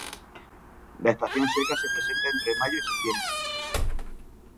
La estación seca se presenta entre mayo y septiembre.